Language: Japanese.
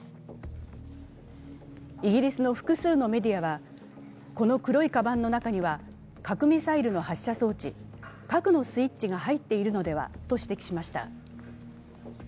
イギリスの複数のメディアはこの黒いかばんの中には核・ミサイルの発射装置、核のスイッチが入っているのではと指摘しました。